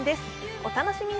お楽しみに。